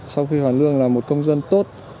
sau khi hoàng lương là một công dân tốt